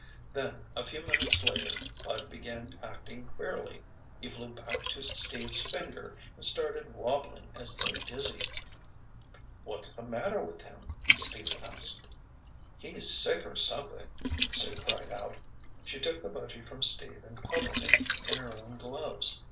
Then a few minutes later, Bud began acting queerly. He flew back to Steve's finger and started wobbling as though dizzy. "What's the matter with him?" Steve asked. "He's sick or something!" Sue cried out. She took the budgy from Steve and cuddled him in her own gloves.